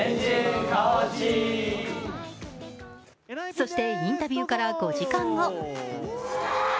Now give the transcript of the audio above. そしてインタビューから５時間後。